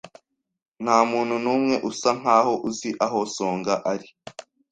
Nta muntu n'umwe usa nkaho uzi aho Songa ari.